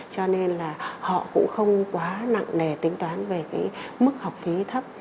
cho nên là họ cũng không quá nặng nề tính toán về mức học phí thấp